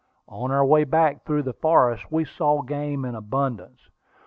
On our way back through the forest we saw game in abundance.